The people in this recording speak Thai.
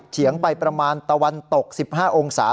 เฉียงไปประมาณตะวันตก๑๕องศา